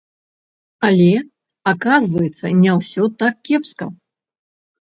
Але, аказваецца, не ўсё так кепска.